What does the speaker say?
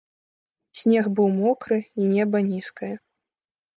Снег быў мокры, і неба нізкае.